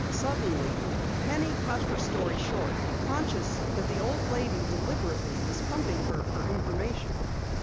Suddenly Penny cut her story short, conscious that the old lady deliberately was pumping her of information.